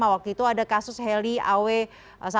dan ini kan sebenarnya kasus seperti ini bukan kalipasan